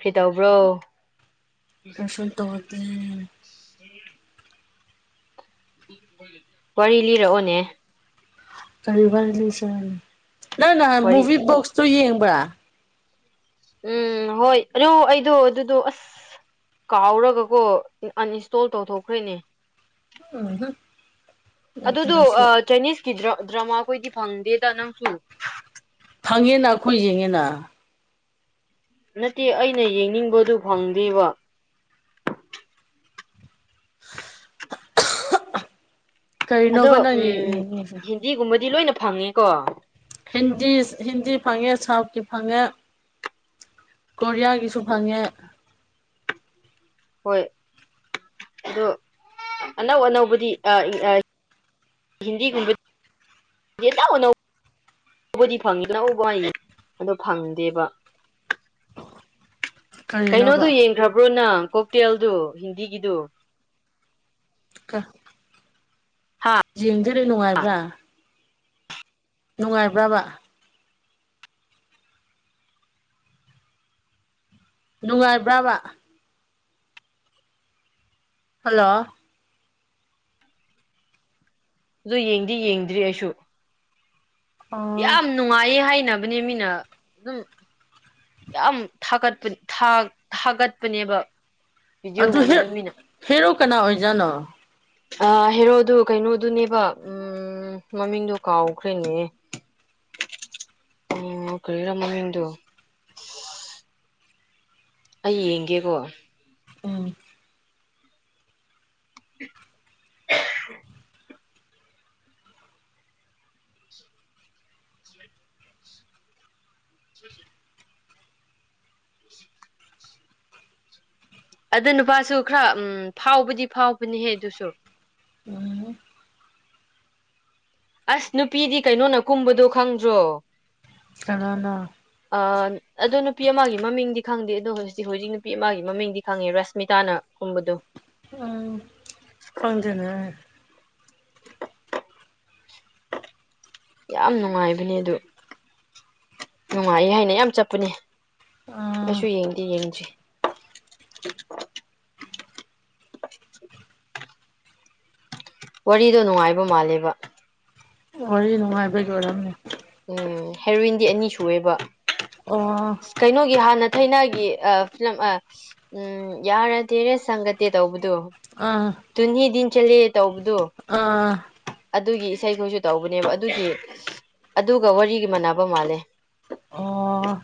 ꯀꯩ ꯇꯧꯕ꯭ꯔꯣ ꯀꯁꯟ ꯇꯧꯇ ꯋꯥꯔꯤ ꯂꯤꯔꯛꯑꯣꯅꯦ ꯀ ꯋꯥꯔꯤ ꯃꯨꯚ ꯣꯣꯛꯁ ꯇ ꯌꯦꯡꯕ ꯎꯝ ꯍꯣꯏ ꯑꯗꯨ ꯑꯩꯗꯣ ꯑꯗꯨꯗꯣ ꯑꯁ ꯀꯥꯎꯔꯒꯀꯣ ꯑꯟꯏꯟꯁꯇꯣꯜ ꯇꯧꯊꯣꯛꯈ꯭ꯔꯦꯅꯦ ꯎ ꯑꯗꯨꯗꯣ ꯆꯥꯏꯅꯤꯁꯀꯤ ꯗ꯭ꯔꯃꯥ ꯑꯩꯈꯣꯏꯗꯤ ꯐꯪꯗꯦꯗ ꯅꯪꯁꯨ ꯍꯪꯉꯦꯅ ꯑꯩꯈꯣꯏ ꯌꯦꯡꯉꯦꯅ ꯅꯠꯇꯦ ꯑꯩꯅ ꯌꯦꯡꯅꯤꯡꯕꯗꯨ ꯐꯪꯗꯦꯕ [unintelligible] ꯑꯗꯣ ꯀꯔꯤꯅꯣꯕ ꯅꯪ ꯎꯝ ꯌꯦꯡꯉꯤꯁꯦ ꯍꯤꯟꯗꯤꯒꯨꯝꯕꯗꯤ ꯂꯣꯏꯅ ꯐꯪꯉꯦꯀꯣ ꯍꯤꯟꯗꯤ ꯍꯤꯟꯗꯤ ꯐꯪꯉꯦ ꯁꯥꯎꯠꯀꯤ ꯐꯪꯉꯦ ꯀꯣꯔꯤꯌꯥꯒꯤꯁꯨ ꯐꯪꯉꯦ ꯍꯣꯏ ꯑꯣ ꯑꯅꯧ ꯑꯅꯧꯕꯗꯤ ꯍꯤꯟꯗꯤꯒꯨꯝꯕꯗ ꯌꯦꯇ ꯎꯅꯧ ꯎꯕꯗꯤ ꯐꯪꯉꯤ ꯀꯅ ꯎꯕ ꯍꯥꯏꯅꯤ ꯑꯗꯣ ꯐꯪꯗꯦꯕ ꯀꯔꯤꯅꯣꯕ ꯀꯩꯅꯣꯗꯨꯣ ꯌꯦꯡꯈ꯭ꯔꯕ꯭ꯔꯣ ꯅꯪ ꯀꯣꯛꯇꯦꯜꯗꯨ ꯍꯤꯟꯗꯤꯒꯤꯗꯨ ꯀ ꯍꯥ ꯤꯡꯖꯔꯤ ꯅꯅꯨꯡꯉꯕꯥ ꯅꯨꯡꯉꯥꯏꯕ꯭ꯔꯕ ꯅꯨꯡꯉꯥꯏꯕ꯭ꯔꯥꯕ ꯍꯜꯂꯣ ꯑꯗꯨ ꯌꯦꯡꯗꯤ ꯌꯦꯡꯗ꯭ꯔꯤ ꯑꯩꯁꯨ ꯑꯣ ꯌꯥꯝ ꯅꯨꯡꯉꯥꯏꯌꯦ ꯍꯥꯏꯅꯤ ꯅꯕꯅꯦ ꯃꯤꯅ ꯑꯗꯨꯝ ꯌꯥꯝꯥꯒꯠꯄ ꯊꯥꯒꯠꯄꯅꯦꯕ ꯑꯗꯨ ꯚꯤꯗꯤꯑꯣꯒꯨꯝꯕꯗꯣ ꯃꯤꯅ ꯍꯦꯔꯣ ꯀꯅꯥ ꯑꯣꯏꯖꯥꯠꯅꯣ ꯑ ꯍꯔꯣꯗꯨ ꯀꯩꯅꯣ ꯑꯗꯨ ꯅ ꯎꯝ ꯃꯃꯤꯡꯗꯣ ꯀꯥꯎꯈ꯭ꯔꯦꯅꯦ ꯑꯣ ꯀꯔꯤꯔꯃ ꯍꯗꯨ ꯑꯩ ꯌꯦꯡꯒꯦꯀꯣ ꯎꯝ ꯎ ꯁꯤ ꯑꯗ ꯅꯨꯄꯥꯁꯨ ꯈꯔ ꯎꯝ ꯐꯥꯎꯕꯗꯤ ꯐꯥꯎꯕꯅꯤꯍꯦ ꯑꯗꯨꯁꯨ ꯎꯝ ꯑꯁ ꯅꯨꯄꯤꯗꯤ ꯀꯩꯅꯣꯅ ꯀꯨꯝꯕꯗꯣ ꯈꯪꯗ꯭ꯔꯣ ꯀꯅꯥꯅꯣ ꯑ ꯑꯗꯨꯗꯅ ꯄꯤ ꯑꯦꯝꯒꯤ ꯃꯃꯤꯡꯗꯤ ꯈꯪꯗꯦ ꯑꯗꯣ ꯍꯧꯖꯤꯛ ꯍꯧꯖꯤꯛ ꯅꯨꯄꯤ ꯑꯃꯒꯤ ꯃꯃꯤꯡꯗꯤ ꯈꯪꯉꯦ ꯔꯁꯃꯤꯇꯥꯅꯒꯨꯝꯕꯗꯣ ꯎꯝ ꯈꯪꯗꯅꯦ ꯌꯥꯝ ꯅꯨꯡꯉꯥꯏꯕꯅꯦ ꯑꯗꯨ ꯅꯨꯡꯉꯥꯏ ꯍꯥꯏꯅ ꯌꯥꯝ ꯆꯠꯄꯅꯦ ꯑꯥ ꯑꯩꯁꯨ ꯌꯦꯡꯗꯦ ꯌꯦꯡꯁꯤ [unintelligible] ꯋꯥꯔꯤꯗꯣ ꯅꯨꯡꯉꯥꯏꯕ ꯃꯥꯜꯂꯦꯕ ꯋꯥ ꯅꯨꯡꯉꯥꯏꯕꯖꯔꯝꯅꯦ ꯎꯝ ꯍꯦꯔꯣꯏꯋꯟꯗꯤ ꯑꯅꯤ ꯁꯨꯑꯦꯕ ꯑꯣ ꯀꯩꯅꯣꯒꯤ ꯍꯥꯥꯟꯅꯠꯇ ꯊꯥꯏꯅꯒꯤ ꯐꯤꯂꯝ ꯎꯝ ꯌꯥꯔꯗꯤꯦꯔꯦ ꯆꯪꯒꯗꯦ ꯇꯧꯕ ꯑꯥ ꯇꯨꯟꯍꯤ ꯇꯟ ꯆꯠꯂꯦ ꯇꯧꯕꯗꯣ ꯑꯥ ꯑꯗꯨꯒꯤ ꯏꯁꯩꯈꯣꯏꯁꯨ ꯇꯧꯕꯅꯦꯕ ꯑꯗꯨꯒꯤ ꯑꯗꯨꯒ ꯋꯥꯔꯤꯒꯤ ꯃꯥꯟꯅꯕ ꯃꯥꯜꯂꯦ ꯑꯣ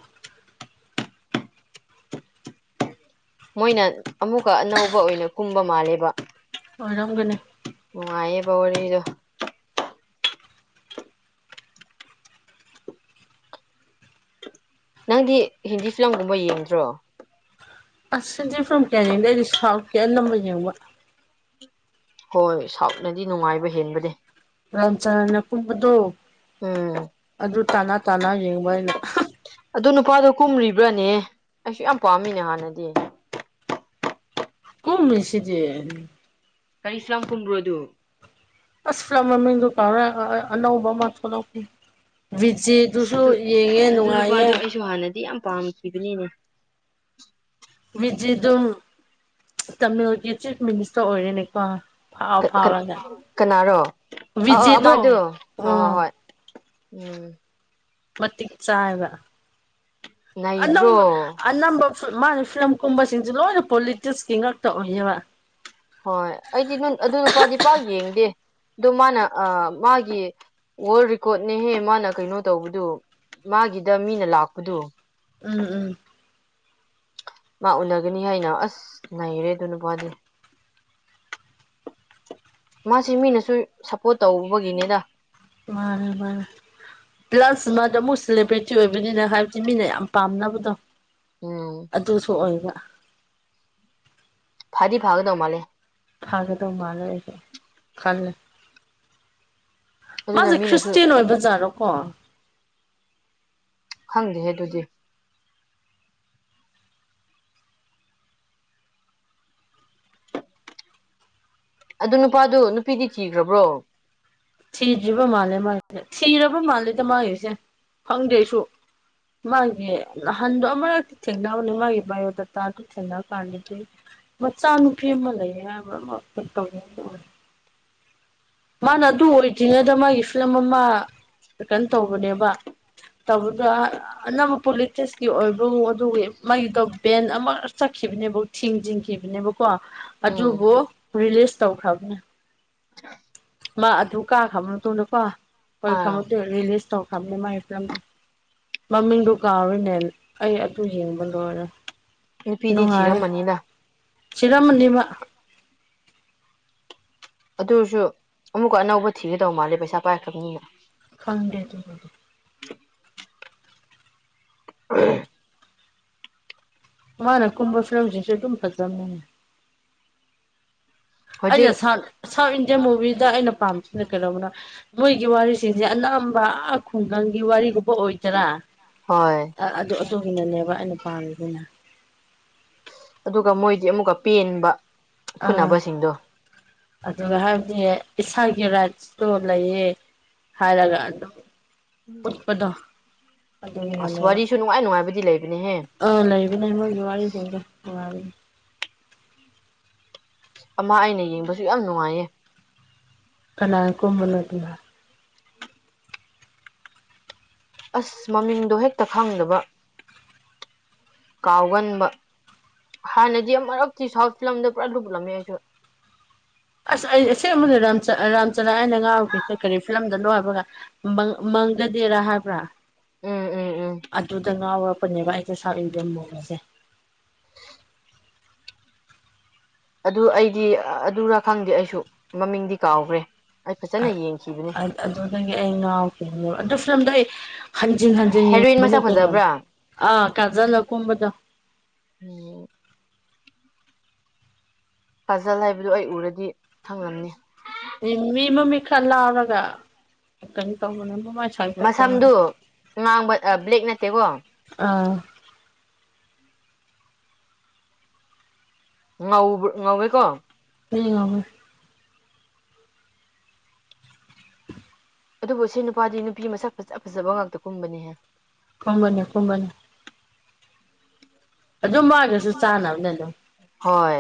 ꯃꯣꯏꯅ ꯑꯃꯨꯛꯀ ꯑꯅꯧꯕ ꯑꯣꯏꯅ ꯀꯨꯝꯕ ꯃꯥꯜꯂꯦꯕ ꯋꯥꯔꯒꯅꯦ ꯅꯨꯡꯉꯥꯏꯌꯦ ꯕꯗꯣ ꯅꯪꯗꯤ ꯍꯤꯟꯗꯤ ꯐꯤꯂꯝꯒꯨꯝꯕ ꯌꯦꯡꯗ꯭ꯔꯣ ꯑꯁꯗꯤ ꯐꯔꯝ ꯀꯌꯥ ꯌꯦꯡꯗꯦ ꯑꯩꯗꯤ ꯁꯥꯎꯠꯀꯤ ꯑꯅꯝꯕ ꯌꯦꯡꯕ ꯍꯣꯏ ꯁꯥꯎꯠꯅꯗꯤ ꯅꯨꯡꯉꯥꯏꯕ ꯍꯦꯟꯕꯅꯦ ꯔꯝꯆꯔꯅ ꯀꯨꯝꯕꯗꯨꯣ ꯎꯝ ꯑꯗꯨ ꯇꯥꯅꯥ ꯇꯥꯅꯥ ꯌꯦꯡꯕ ꯑꯩꯅ ꯑꯗꯨ ꯅꯨꯄꯥꯗꯣ ꯀꯨꯝꯔꯤꯕ꯭ꯔꯅꯦ ꯑꯩꯁꯨ ꯌꯥꯝ ꯄꯥꯝꯃꯤꯅꯦ ꯍꯥꯟꯅꯗꯤ ꯑꯩ ꯀꯝ ꯃꯁꯤꯗꯤ ꯀꯔꯤꯁꯂꯝ ꯀꯨꯝꯔꯣꯗꯨ ꯑꯁ꯭ꯂꯂꯝ ꯃꯃꯤꯡꯗꯨꯀꯥꯔ ꯑꯅꯧꯧꯕ ꯃꯥꯊꯅꯈ ꯑꯁ ꯑꯗꯨ ꯑꯗꯨ ꯅꯨꯡꯉꯥꯏꯌꯦ ꯅꯨꯄꯥꯗꯨ ꯑꯩꯁꯨ ꯍꯥꯟꯅꯗꯤ ꯌꯥꯝ ꯄꯥꯝꯈꯤꯕꯅꯤꯅꯦ ꯀꯖꯤ ꯑꯗꯨꯝ ꯇꯃꯤꯜꯒꯤ ꯆꯤꯐ ꯃꯤꯅꯤꯁꯇꯔ ꯑꯣꯏꯔꯦꯅꯦꯀꯣ ꯐꯥꯎ ꯐꯥꯎꯔꯒ ꯀꯅꯥꯔꯣ ꯑ ꯕꯤꯖꯦꯗꯣ ꯑꯗꯨ ꯍ ꯍꯣꯏ ꯎꯝ ꯍꯣꯏ ꯎꯝ ꯃ ꯆꯥ ꯍꯥꯏꯒ ꯅꯩꯗ꯭ꯔꯣ ꯅ ꯅꯝꯕ ꯃꯥ ꯐꯤꯂꯝ ꯀꯨꯝꯕꯁꯤꯡꯁꯦ ꯂꯣꯏꯅ ꯄꯣꯂꯤꯇꯤꯛꯁꯀꯤ ꯉꯥꯛꯇ ꯑꯣꯏꯌꯦꯕ ꯍꯣꯏ ꯑꯩꯗꯤ ꯑꯗꯨ ꯅꯨꯄꯥꯗꯤ ꯄꯥꯛ ꯌꯦꯡꯗꯦ ꯑꯗꯣ ꯃꯥꯅ ꯃꯥꯒꯤ ꯋꯥꯔꯜ ꯔꯦꯀꯣꯔꯠꯅꯦꯍꯦ ꯃꯥꯅ ꯀꯩꯅꯣ ꯇꯧꯕꯗꯨ ꯃꯥꯒꯤꯗ ꯃꯤꯅ ꯂꯥꯛꯄꯗꯨꯣ ꯎꯝ ꯎꯝ ꯃꯥ ꯎꯅꯒꯅꯤ ꯍꯥꯏꯅ ꯑꯁ ꯉꯔꯦ ꯑꯗꯨ ꯅꯨꯄꯥꯅꯤ ꯃꯥꯁꯤ ꯃꯤꯅꯁꯨ ꯁꯞꯄꯣꯔꯠ ꯇꯧꯕꯒꯤꯅꯤꯗ ꯔ ꯃꯔꯔ ꯄ꯭ꯂꯁ ꯃꯥꯗꯣ ꯑꯃꯨꯛ ꯁꯦꯂꯦꯕ꯭ꯔꯤꯇꯤ ꯑꯣꯏꯕꯅꯤꯅ ꯍꯥꯏꯕꯗꯤ ꯃꯤꯅ ꯌꯥꯝ ꯄꯥꯝꯅꯕꯗꯣ ꯎꯝ ꯑꯗꯨꯁꯨ ꯑꯣꯏꯕ ꯐꯥꯗꯤ ꯐꯥꯒꯗꯧ ꯃꯥꯦ ꯊꯥꯒꯦꯗ ꯃꯥꯔ ꯈꯜ ꯑꯗꯨꯅ ꯃꯥꯁꯦ ꯃꯤꯅꯁꯨ ꯈ꯭ꯔꯤꯁꯇꯦꯟ ꯑꯣꯏꯕꯖꯥꯠꯔꯣꯀꯣ ꯈꯪꯗꯦꯍꯦ ꯑꯗꯨꯗꯤ ꯑꯗꯨ ꯅꯨꯄꯥꯗꯨꯣ ꯅꯨꯄꯤꯗꯤ ꯊꯤꯈ꯭ꯔꯕ꯭ꯔꯣ ꯊꯤꯗ꯭ꯔꯤꯕ ꯃꯥꯜꯂꯦ ꯃꯥꯒꯤꯁꯦ ꯊꯤꯔꯕ ꯃꯥꯜꯂꯦꯗ ꯃꯥꯒꯤꯁꯦ ꯈꯪꯗꯦꯁꯨ ꯃꯥꯒꯤ ꯍꯟꯗ ꯑꯃꯔꯗꯤ ꯆꯦꯡꯅꯕꯅꯦ ꯃꯥꯒꯤ ꯌꯣꯗꯠꯇ ꯑꯗꯨ ꯆꯦꯡꯉ ꯀꯥꯟꯗꯦ ꯃꯆꯥꯅ ꯐꯦ ꯃ ꯂꯩ ꯃꯔ ꯃꯥꯅ ꯑꯗꯨ ꯑꯣꯏꯗ꯭ꯔꯤꯉꯩꯗ ꯃꯥꯒꯤ ꯐꯤꯂꯝ ꯑꯃ ꯀꯩꯅꯣ ꯇꯧꯕꯅꯦꯕ ꯇꯧꯕꯗ ꯑꯅꯧꯕ ꯄꯣꯂꯤꯇꯤꯛꯁꯀꯤ ꯑꯣꯏꯕ ꯑꯗꯨꯒꯤ ꯃꯒꯤꯗꯣ ꯚꯦꯟ ꯑꯃ ꯆꯠꯈꯤ ꯈꯤꯕꯅꯦꯕꯨ ꯊꯤꯡ ꯆꯤꯡꯈꯤꯕꯅꯦꯕꯀꯣ ꯎꯝ ꯑꯗꯨꯕꯨ ꯔꯤꯂꯤꯁ ꯇꯧꯈ꯭ꯔꯕꯅꯦ ꯑ ꯃꯥ ꯑꯗꯨ ꯀꯥ ꯈꯕꯛꯇꯧꯅꯀꯣ ꯍꯣꯏ ꯑꯥ ꯈꯪꯃꯛꯇꯣꯏ ꯔꯤꯂꯤꯁ ꯇꯧ ꯈꯞꯅꯦ ꯃꯥꯥꯏ ꯐꯂꯝꯗ ꯃꯃꯤꯡꯗꯨꯣ ꯀꯥꯎꯔꯤꯅꯦ ꯑꯩ ꯑꯗꯨ ꯍꯡꯕ ꯂꯣꯏꯔꯦ ꯅꯨꯄꯤꯗꯤ ꯊꯤꯔꯝꯃꯅꯤꯅ ꯁꯤꯔꯃꯅꯤꯃ ꯑꯗꯨꯁꯨ ꯑꯃꯨꯛꯀ ꯑꯅꯧꯕ ꯊꯤꯒꯗꯧ ꯃꯥꯜꯂꯦ ꯄꯩꯁꯥ ꯄꯥꯏꯈꯛꯅꯤꯗ ꯈꯪꯗꯦ ꯑꯗꯨ [inaudible] ꯃꯥꯅ ꯀꯨꯨꯝꯚ ꯐ ꯔꯧꯖꯤꯁꯦ ꯇꯝ ꯐꯝꯅꯅꯦ ꯑꯩꯅ ꯍꯧꯖꯤꯛ ꯁꯥꯟ ꯏꯟꯗꯤꯌꯥ ꯃꯨꯕꯤꯤꯗ ꯑꯩꯅ ꯄꯥꯝꯁꯤꯅ ꯀꯩꯗꯧꯕꯅꯣ ꯃꯣꯏꯒꯤ ꯋꯥꯔꯤꯁꯤꯡꯁꯦ ꯑꯅꯝꯕ ꯈꯨꯡꯒꯪꯒꯤ ꯋꯥꯔꯤꯒꯨꯝꯕ ꯑꯣꯏꯗꯣꯏꯔꯥ ꯍꯣꯏ ꯑꯗꯨ ꯑꯗꯨꯒꯤꯅꯅꯦꯕ ꯑꯩꯅ ꯄꯥꯝꯃꯤꯕꯅ ꯑꯗꯨꯒ ꯃꯣꯏꯗꯤ ꯑꯃꯨꯛꯀ ꯄꯦꯟꯕ ꯑꯥ ꯐꯨꯅꯕꯁꯤꯡꯗꯣ ꯑꯗꯨꯒ ꯍꯥꯏꯕꯗꯤ ꯏꯁꯥꯒꯤ ꯔꯥꯏꯠꯁꯇꯣ ꯂꯩꯌꯦ ꯍꯥꯏꯔꯒ ꯑꯗꯨꯝ ꯄꯨꯠꯄꯗ ꯑꯁ ꯑꯗꯨꯒꯤꯅꯅꯦꯕ ꯋꯥꯔꯤꯁꯨ ꯅꯨꯡꯉꯥꯏ ꯅꯨꯡꯉꯥꯏꯕꯗꯤ ꯂꯩꯕꯅꯦꯍꯦ ꯑꯥ ꯂꯩꯕꯅꯦ ꯃꯣꯏꯒꯤ ꯋꯥꯔꯤ ꯐꯗ ꯔꯤꯅꯤ ꯑꯃ ꯑꯩꯅ ꯌꯦꯡꯕꯁꯨ ꯌꯥꯝ ꯅꯨꯡꯉꯥꯏꯌꯦ ꯀꯅꯥ ꯀꯨꯝꯃꯂꯗ ꯑꯁ ꯃꯃꯤꯡꯗꯣ ꯍꯦꯛꯇ ꯈꯪꯗꯕ ꯀꯥꯎꯒꯟꯕ ꯍꯥꯟꯅꯗꯤ ꯑꯃ ꯃꯔꯛꯇꯤ ꯁꯥꯎꯠ ꯐꯤꯂꯝꯗ ꯄꯨꯔꯥ ꯂꯨꯠꯂꯝꯃꯦ ꯑꯩꯁꯨ ꯑꯁ ꯑꯩ ꯑ ꯑꯃꯗ ꯔꯥꯝꯆꯔꯥ ꯑꯩꯅ ꯉꯥꯎꯒꯦꯁ ꯀꯔꯤ ꯐꯤꯂꯝꯗ ꯂꯣꯏꯕ ꯃꯪꯒꯗꯦꯔꯥ ꯍꯥꯏꯕ꯭ꯔꯥ ꯎꯝ ꯎꯝ ꯎꯝ ꯑꯗꯨꯗ ꯉꯥꯎꯔꯕ ꯄꯟꯦꯚꯁꯦ ꯁꯕꯤꯗꯃꯣꯒꯁꯦ ꯑꯗꯨ ꯑꯩꯗꯤ ꯑꯗꯨꯔꯥ ꯈꯪꯗꯦ ꯑꯩꯁꯨ ꯃꯃꯤꯡꯗꯤ ꯀꯥꯎꯈ꯭ꯔꯦ ꯑꯩ ꯐꯖꯅ ꯌꯦꯡꯈꯤꯕꯅꯦ ꯑꯗꯨꯗꯒꯤ ꯑꯩ ꯉꯥꯎꯈꯤꯕ ꯑꯗꯨ ꯐꯤꯂꯝꯗꯣ ꯑꯩ ꯍꯟꯖꯤꯟ ꯍꯟꯖꯤꯟ ꯍꯦꯔꯣꯏꯟ ꯌꯦꯡꯕꯅꯦ ꯃꯁꯛ ꯀꯩꯅꯣꯅꯤ ꯐꯖꯕ꯭ꯔꯥ ꯑꯥ ꯀꯥꯖꯂꯀꯨꯝꯕꯗꯣ ꯑꯣ ꯄꯥꯖꯜ ꯍꯥꯏꯕꯗꯨ ꯑꯩ ꯎꯔꯗꯤ ꯊꯪꯂꯝꯅꯤ ꯎꯝ ꯃꯤ ꯃꯃꯤꯠ ꯈꯔ ꯂꯥꯎꯔꯒ ꯀꯩꯅꯣ ꯇꯧꯕꯅ ꯆ ꯊ ꯇꯔ ꯃꯁꯝꯗꯨ ꯉꯥꯡꯕ ꯕ꯭ꯂꯦꯛ ꯅꯠꯇꯦꯀꯣ ꯑꯥ ꯉꯧꯕ ꯉꯧꯋꯦꯀꯣ ꯂꯩꯉꯕꯨ ꯑꯗꯨꯕꯨ ꯁꯤ ꯅꯨꯄꯥꯗꯤ ꯅꯨꯄꯤ ꯃꯁꯛ ꯐꯖ ꯐꯖꯕ ꯉꯥꯛꯇ ꯀꯨꯝꯕꯅꯤꯍꯦ ꯀꯒꯅꯤ ꯀꯒꯅꯤ ꯑꯗꯨ ꯃꯥꯒꯁꯨ ꯆꯥꯅꯕꯅꯦ ꯑꯗꯨꯝ ꯍꯣꯏ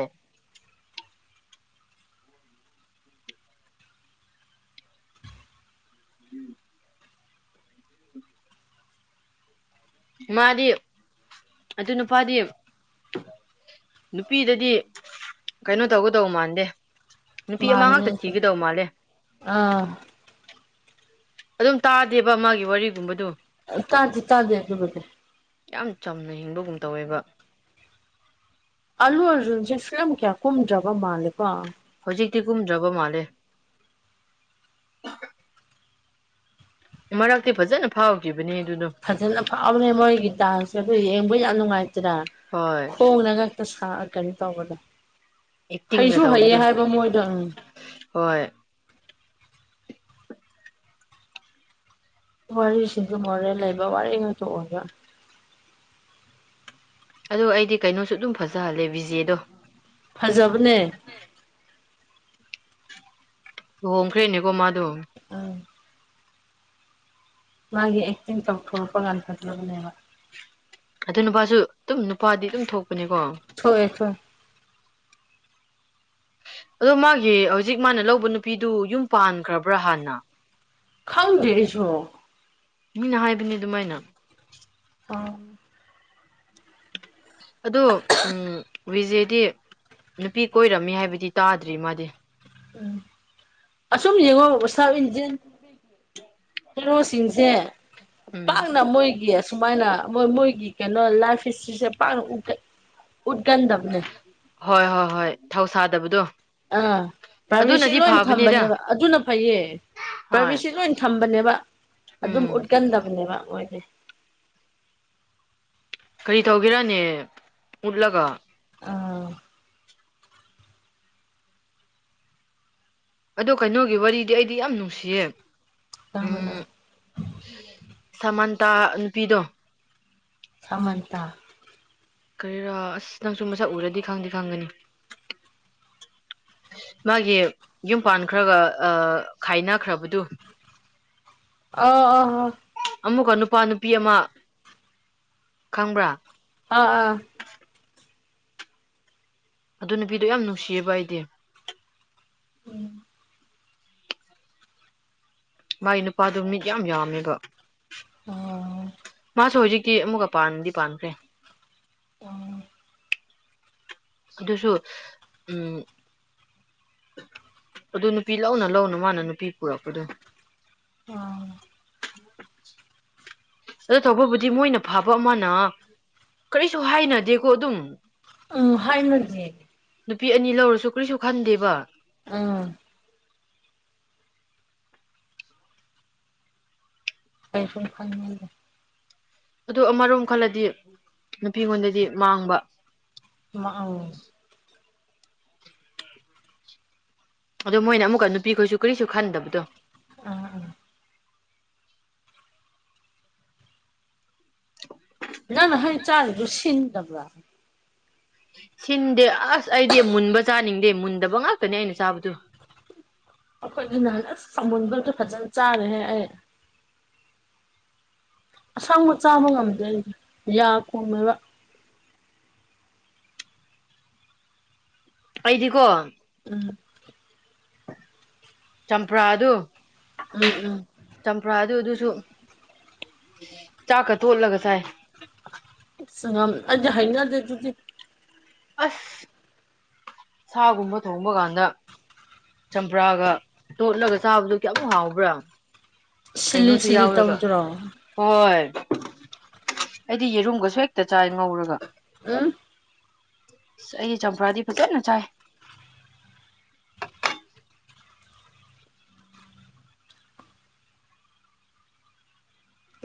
ꯎꯝ ꯃꯥꯗꯤ ꯑꯗꯨ ꯅꯨꯄꯥꯗꯤꯝ ꯅꯨꯄꯤꯗꯗꯤ ꯀꯩꯅꯣ ꯇꯧꯒꯗꯧꯕ ꯃꯥꯟꯗꯦ ꯅꯨꯄꯤ ꯑꯃ ꯃꯥꯅꯦ ꯉꯥꯛꯇ ꯊꯤꯒꯗꯧ ꯃꯥꯜꯂꯦ ꯑꯥ ꯑꯗꯨꯝ ꯇꯥꯗꯦꯕ ꯃꯥꯒꯤ ꯋꯥꯔꯤꯒꯨꯝꯕꯗ ꯇꯥꯖꯦ ꯇꯥꯖꯦ ꯑꯗꯨꯦꯦ ꯌꯥꯝ ꯆꯝꯅ ꯍꯤꯡꯕꯒꯨꯝ ꯇꯧꯋꯦꯕ ꯑꯜꯨ ꯑꯔꯖꯁ ꯏꯁꯂꯝ ꯀꯌꯥ ꯀꯣꯨꯝꯖꯕ ꯃꯥꯂꯕꯣ ꯍꯧꯖꯤꯛꯇꯤ ꯀꯨꯝꯗ꯭ꯔꯕ ꯃꯥꯜꯂꯦ ꯃꯔꯔꯒꯗꯤ ꯐꯖꯦꯅ ꯐꯥꯎꯈꯤꯕ ꯐꯖꯅ ꯐꯥꯎꯔꯦ ꯃꯣꯏꯒꯤ ꯗꯥꯟꯁꯁ ꯑꯗꯨ ꯌꯦꯡꯕ ꯌꯥꯝ ꯅꯨꯡꯉꯥꯏꯇ꯭ꯔ ꯍꯣꯏ ꯈꯣꯡꯡꯂꯒ ꯇꯁ ꯀꯩꯅꯣ ꯇꯧꯕꯗ ꯑꯦꯛꯇꯤꯡꯒ ꯍꯩꯁꯨ ꯍꯩꯌꯦ ꯇꯧꯕꯗꯣ ꯍꯥꯏꯕ ꯃꯣꯏꯗ ꯎꯪ ꯍꯣꯏ ꯋꯥꯔꯤꯁꯤꯁꯨ ꯃꯣꯔꯦ ꯂꯩꯕ ꯋꯥꯔꯤ ꯈꯇꯣꯛꯑꯒ ꯑꯗꯣ ꯑꯩꯗꯤ ꯀꯩꯅꯣꯁꯨ ꯑꯗꯨꯝ ꯐꯖꯍꯜꯂꯦ ꯕꯤꯖꯦꯗꯣ ꯐꯖꯕꯅꯦ ꯂꯨꯍꯣꯡꯈ꯭ꯔꯦꯅꯦꯀꯣ ꯃꯥꯗꯣ ꯑꯝ ꯃꯥꯦ ꯑꯦ ꯇꯤꯡ ꯇꯞ ꯐꯜꯄꯣꯒꯠꯂꯕꯅꯦꯕ ꯑꯗꯨ ꯅꯨꯄꯥꯁꯨ ꯑꯗꯨꯝ ꯅꯨꯄꯥꯗꯤ ꯑꯗꯨꯝ ꯊꯣꯛꯄꯅꯤꯀꯣ ꯊꯣꯛꯑꯦ ꯊꯣꯛꯑꯦ ꯑꯗꯣ ꯃꯥꯒꯤ ꯍꯧꯖꯤꯛ ꯃꯥꯅ ꯂꯧꯕ ꯅꯨꯄꯤꯗꯨ ꯌꯨꯝ ꯄꯥꯟꯈ꯭ꯔꯕ꯭ꯔꯥ ꯍꯥꯟꯅ ꯈꯪꯗꯦꯁꯨꯣ ꯃꯤꯅ ꯍꯥꯏꯕꯅꯤ ꯑꯗꯨꯃꯥꯏꯅ ꯑꯥ ꯑꯗꯣ ꯎꯝ ꯋꯖꯦꯗꯤ ꯅꯨꯄꯤ ꯀꯣꯏꯔꯝꯃꯤ ꯍꯥꯏꯕꯗꯤ ꯇꯥꯗ꯭ꯔꯤ ꯃꯥꯗꯤ ꯎꯝ ꯑꯁꯨꯝ ꯌꯦꯡꯉꯣ ꯁꯥꯁ ꯀꯩꯅꯣꯁꯤꯡꯁꯦ ꯎꯝ ꯄꯥꯛꯅ ꯃꯣꯏꯒꯤ ꯑꯁꯨꯝ ꯃꯥꯏꯅ ꯃꯣꯏ ꯃꯣꯏꯒꯤ ꯀꯩꯅꯣ ꯂꯥꯏꯐ ꯍꯤꯁꯇ꯭ꯔꯤꯁꯦ ꯄ ꯎ ꯍꯣꯏ ꯍꯣꯏ ꯍꯣꯏ ꯊꯧ ꯁꯥꯗꯕꯗꯣ ꯑꯥ ꯄ꯭ꯔꯥꯏꯚꯦꯁꯤ ꯂꯣꯏ ꯊꯝꯕꯅꯦꯕ ꯑꯗꯨꯅ ꯐꯩꯌꯦ ꯍꯣꯏ ꯄꯕꯤꯁꯤ ꯂ ꯑꯣꯏꯅ ꯊꯝꯕꯅꯦ ꯑꯗꯨ ꯎꯝ ꯎꯠꯀꯟꯗꯕꯅꯦꯕ ꯃꯣꯏꯅꯦ ꯀꯔꯤ ꯇꯧꯒꯦꯔꯅꯦ ꯃꯨꯠꯂꯒ ꯑꯥ ꯑꯗꯣ ꯀꯩꯅꯣꯒꯤ ꯋꯥꯔꯤꯗꯤ ꯑꯩꯗꯤ ꯌꯥꯝ ꯅꯨꯡꯁꯤꯌꯦ ꯀꯃ ꯂ ꯎꯝ ꯁꯃꯟꯇꯥ ꯅꯨꯄꯤꯗꯣ ꯁꯃꯟꯇ ꯀꯔꯤꯔꯥ ꯑꯁ ꯅꯪꯁꯨ ꯃꯁꯛ ꯎꯔꯗꯤ ꯈꯪꯗꯦ ꯈꯪꯒꯅꯤ [unintelligible] ꯃꯥꯒꯤ ꯌꯨꯝꯄꯥꯟ ꯈ꯭ꯔꯒ ꯈꯥꯏꯅꯈ꯭ꯔꯕꯗꯨ ꯑꯣ ꯑꯣ ꯑꯃꯨꯛꯀ ꯅꯨꯄꯥ ꯅꯨꯄꯤ ꯑꯃ ꯈꯪꯕ꯭ꯔꯥ ꯑꯥ ꯑꯥ ꯑꯗꯨ ꯅꯨꯄꯤꯗꯣ ꯌꯥꯝ ꯅꯨꯡꯁꯤꯌꯦꯕ ꯑꯩꯗꯤ ꯎꯝ ꯃꯥꯒꯤ ꯅꯨꯄꯥꯗꯨꯣ ꯃꯤꯠ ꯌꯥꯝ ꯌꯥꯝꯃꯦꯕ ꯑꯣ ꯑꯁ ꯍꯧꯖꯤꯛꯇꯤ ꯑꯃꯨꯛꯀ ꯄꯥꯟꯗꯤ ꯄꯥꯟꯈ꯭ꯔꯦ ꯑ ꯑꯗꯨꯁꯨ ꯎꯝ ꯑꯗꯨ ꯅꯨꯄꯤ ꯂꯧꯅ ꯂꯧꯅ ꯃꯥꯅ ꯅꯨꯄꯤ ꯄꯨꯔꯛꯄꯗꯣ ꯑ ꯑꯗꯨ ꯇꯧꯕꯕꯨꯗꯤ ꯃꯣꯏꯅ ꯐꯕ ꯑꯃꯅ ꯀꯔꯤꯁꯨ ꯍꯥꯏꯅꯗꯦꯀꯣ ꯑꯗꯨꯝ ꯎꯝ ꯍꯥꯏ ꯃꯔꯖꯤ ꯅꯨꯄꯤ ꯑꯅꯤ ꯂꯧꯔꯁꯨ ꯀꯔꯤꯁꯨ ꯈꯟꯗꯦꯕ ꯑꯥ ꯀꯩꯔꯨꯝ ꯈꯦ ꯑꯗꯨ ꯑꯃꯔꯣꯝ ꯈꯜꯂꯗꯤ ꯅꯨꯄꯤꯉꯣꯟꯗꯗꯤ ꯃꯥꯡꯕ ꯑꯃ ꯑꯗꯣ ꯃꯣꯏꯅ ꯑꯃꯨꯛꯀ ꯅꯨꯄꯤꯈꯣꯏꯁꯨ ꯀꯔꯤꯁꯨ ꯈꯟꯗꯕꯗꯣ ꯎꯝ ꯎꯝ ꯍꯣꯏ ꯆꯥꯕꯨ ꯁꯤꯤꯟꯗꯕ꯭ꯔ ꯁꯤꯟꯗꯦ ꯑꯁ ꯑꯩꯗꯤ ꯃꯨꯟꯕ ꯆꯥꯅꯤꯡꯗꯦ ꯃꯨꯟꯗꯕ ꯉꯥꯛꯇꯅꯦ ꯑꯩꯅ ꯆꯥꯕꯗꯨ ꯑꯩꯈꯣꯏꯒꯤ ꯅꯍꯥꯟꯁ ꯀꯃꯨꯟꯕꯛꯇ ꯐꯖꯅ ꯆꯥꯔꯦꯍꯦ ꯑꯩ ꯑꯁꯥꯡꯕ ꯆꯥꯕ ꯉꯝꯗꯦ ꯑꯩꯗꯤ ꯌꯥ ꯀꯣꯃꯦꯕ ꯑꯩꯗꯤꯀꯣ ꯎꯝ ꯆꯝꯄ꯭ꯔꯥ ꯑꯗꯨ ꯎꯝ ꯎꯝ ꯆꯝꯄ꯭ꯔꯥꯗꯨ ꯑꯗꯨ ꯁꯨ ꯆꯥꯛꯀ ꯊꯣꯠꯂꯒ ꯁꯥꯏ ꯁ ꯑꯖ ꯍꯥꯏꯅꯗꯗꯨꯗꯤ ꯑꯁ ꯁꯥꯒꯨꯝꯕ ꯊꯣꯡꯕ ꯀꯥꯟꯗ ꯆꯝꯄ꯭ꯔꯥꯒ ꯇꯣꯠꯂꯒ ꯆꯥꯕꯗꯨꯣ ꯀꯌꯥꯃꯨꯛ ꯍꯥꯎꯕ꯭ꯔꯥ ꯁꯤꯜꯂꯤ ꯀꯩꯅꯣꯁꯨ ꯁꯤꯜꯂꯤ ꯌꯥꯎꯔꯒ ꯇꯧꯗ꯭ꯔꯣ ꯍꯣꯏ ꯑꯩꯗꯤ ꯌꯦꯔꯨꯝꯒꯁꯨ ꯍꯦꯛꯇ ꯆꯥꯏ ꯉꯧꯔꯒ ꯑꯝ ꯆꯍꯤ ꯆꯝꯄ꯭ꯔꯥꯗꯤ ꯐꯖꯦꯅ ꯆ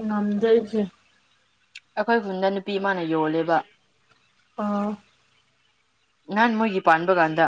ꯉꯗꯁꯦ ꯑꯩꯈꯣꯏ ꯈꯨꯟꯗ ꯅꯨꯄꯤ ꯏꯃꯥꯅ ꯌꯣꯜꯂꯦꯕ ꯑ ꯅꯥꯟ ꯃꯣꯏꯒꯤ ꯄꯥꯟꯕꯥꯟꯕ ꯀꯥꯟꯗ